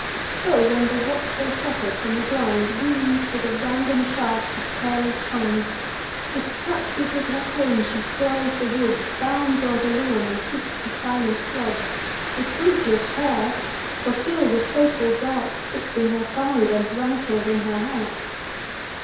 So when the watchful shepherd, from the blind, Wounds with a random shaft the careless hind, Distracted with her pain she flies the woods, Bounds o'er the lawn, and seeks the silent floods, With fruitless care; for still the fatal dart Sticks in her side, and rankles in her heart.